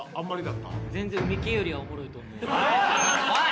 おい！